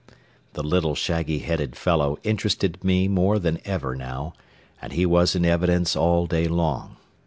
The little shaggy headed fellow interested me more than ever now, and he was in evidence all day long.